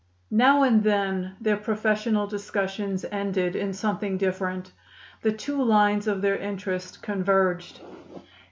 Now and then their professional discussions ended in something different. The two lines of their interest converged.